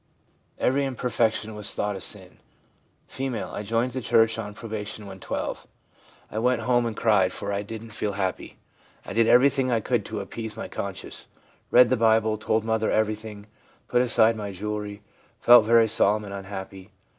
Every imper fection was thought a sin.' F. ' I joined the church on probation when 12. I went home and cried, for I didn't feel happy. I did everything I could to appease my conscience; read the Bible, told mother everything, put aside my jewellery — felt very solemn and unhappy.'